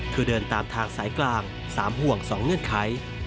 คือเดินตามทางสายกลาง๓ห่วง๒เงื่อนไข